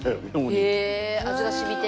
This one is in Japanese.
へえ味が染みて。